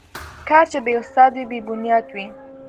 کار چې بې استاد وي، بې بنیاد وي.